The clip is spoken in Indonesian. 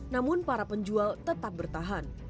namun para penjual tetap bertahan